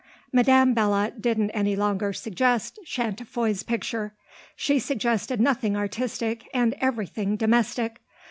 Madame Belot didn't any longer suggest Chantefoy's picture; she suggested nothing artistic and everything domestic.